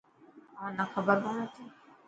اوهان نا کبر ڪون هتي.